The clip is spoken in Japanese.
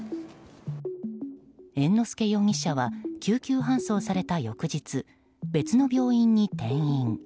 猿之助容疑者は救急搬送された翌日別の病院に転院。